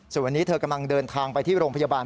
ส่วนวันนี้เธอกำลังเดินทางไปที่โรงพยาบาล